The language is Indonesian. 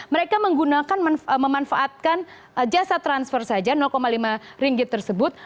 mereka menggunakan memanfaatkan jasa transfer saja lima ringgit tersebut